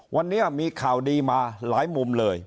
วันนี้มีข่าวดีมาหลายมุมเลย